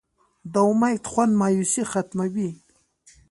د امید خوند مایوسي ختموي.